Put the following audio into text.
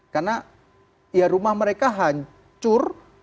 karena ya rumah mereka hancur